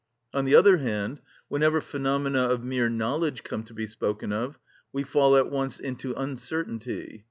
On the other hand, whenever phenomena of mere knowledge come to be spoken of we fall at once into uncertainty.